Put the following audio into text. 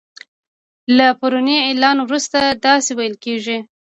له پروني اعلان وروسته داسی ویل کیږي